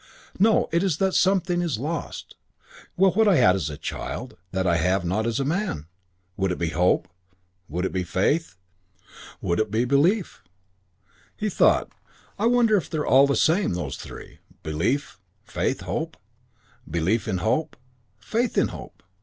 No, it is that something is lost. Well, what had I as a child that I have not as a man? Would it be hope? Would it be faith? Would it be belief?" He thought, "I wonder if they're all the same, those three belief, faith, hope? Belief in hope. Faith in hope.